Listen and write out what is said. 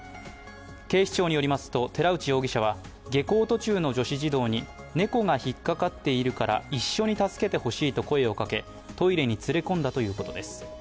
警視庁によりますと、寺内容疑者は下校途中の女子児童に猫が引っかかっているから一緒に助けてほしいと声をかけトイレに連れ込んだということです。